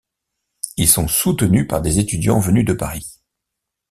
Ils sont soutenus par des étudiants venus de Paris.